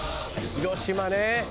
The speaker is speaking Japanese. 広島ね。